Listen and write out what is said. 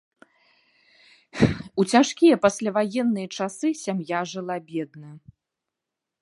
У цяжкія пасляваенныя часы сям'я жыла бедна.